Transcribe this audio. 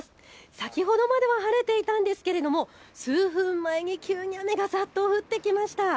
先ほどまでは晴れていたんですけれども数分前に急に雨がざっと降ってきました。